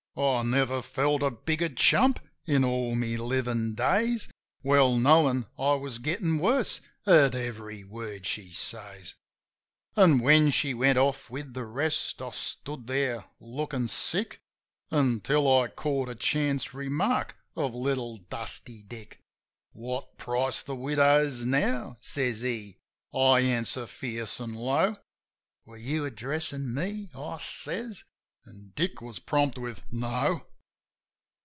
I never felt a bigger chump in all my livin' days. Well knowin' I was gettin' worse at every word she says. An' when she went off with the rest I stood there, lookin' sick, Until I caught a chance remark of little Dusty Dick. "What price the widders now?" says he. I answer fierce an' low: "Were you addressin' me ?" I says ; an' Dick was prompt with "No